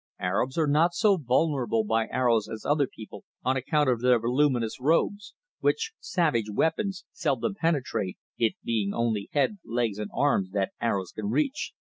Arabs are not so vulnerable by arrows as other people on account of their voluminous robes, which savage weapons seldom penetrate, it being only head, legs and hands that arrows can reach.